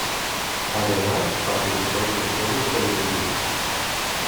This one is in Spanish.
Además, participó en seis series televisivas.